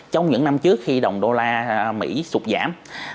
trong những năm trước khi đồng đô la mỹ sụt giảm